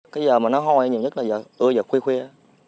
cái giờ mà nó hôi nhiều nhất là giờ ưa giờ khuya khuya